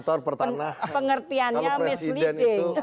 karena pengertiannya misleading